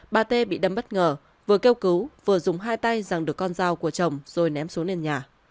bà tê bị đâm bất ngờ vừa kêu cứu vừa dùng hai tay rằng được con dao của chồng rồi ném xuống nền nhà